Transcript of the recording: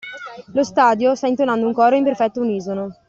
Lo stadio sta intonando un coro in perfetto unisono.